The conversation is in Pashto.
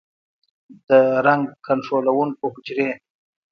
د رنګ کنټرولونکو حجرې